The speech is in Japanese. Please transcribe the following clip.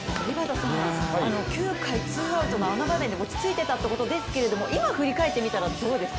９回ツーアウトのあの場面落ち着いてたということだったんですけど今振り返ってみたらどうですか。